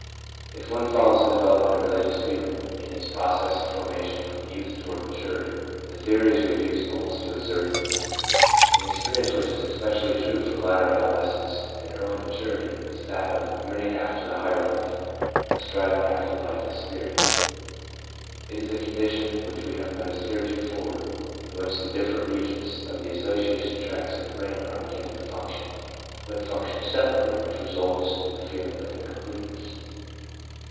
If one follows the development of religious feeling in its process of formation from youth toward maturity, the theory is reduced almost to a certainty. An experi ence which is especially true for later adolescence and earlier maturity is that of yearning after the higher life, a striving after the life of spirit. It is the condition which we have noticed heretofore in which the different regions of the association tracts in the brain are begin ning to function, but function separately, which results in the feeling of incompleteness.